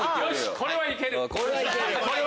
これは行ける！